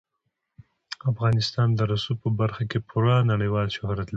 افغانستان د رسوب په برخه کې پوره نړیوال شهرت لري.